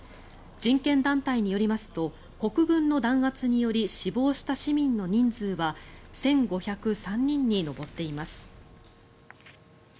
人権団体によりますと国軍の弾圧により死亡した市民の人数は１５０３人に上っています。